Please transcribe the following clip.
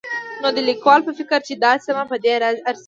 نو د ليکوال په فکر چې دا سيمه په دې ارځي